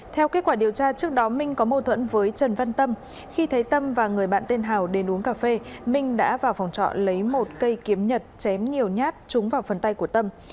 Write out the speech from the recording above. theo kết quả điều tra trước đó minh có mâu thuẫn với trần văn tâm khi thấy tâm và người bạn tên hào đến uống cà phê minh đã vào phòng trọ lấy một cây kiếm nhật chém nhiều nhát trúng vào phần tay của tâm